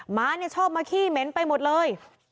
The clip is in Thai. หมาเนี่ยชอบมาขี้เหม็นไปหมดเลย